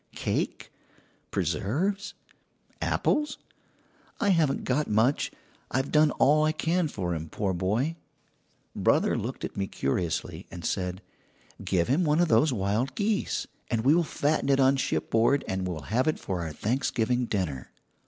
Cake, preserves, apples? I haven't got much; I have done all I can for him, poor boy.' "Brother looked at me curiously, and said: "'Give him one of those wild geese, and we will fatten it on shipboard and will have it for our Thanksgiving dinner.'